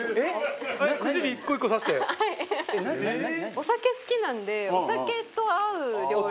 お酒、好きなのでお酒と合う料理。